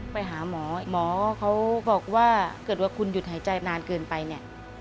ไปหาหมอหมอเขาบอกว่าเกิดว่าคุณหยุดหายใจนานเกินไปเนี่ย